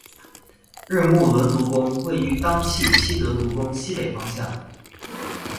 日木伦独宫位于当圪希德独宫西北方向。